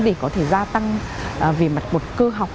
để có thể gia tăng để có thể gia tăng để có thể gia tăng